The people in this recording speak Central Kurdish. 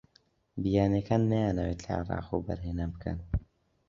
بیانییەکان نایانەوێت لە عێراق وەبەرهێنان بکەن.